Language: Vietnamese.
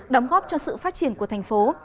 đóng góp cho sự phát triển của thành phố